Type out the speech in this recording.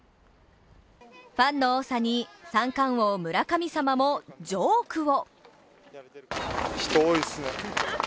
ファンの多さに、三冠王・村神様もジョークを。